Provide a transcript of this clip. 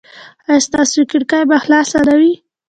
ایا ستاسو کړکۍ به خلاصه نه وي؟